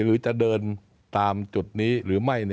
หรือจะเดินตามจุดนี้หรือไม่